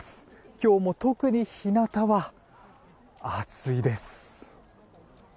今日も特に日なたは暑いです。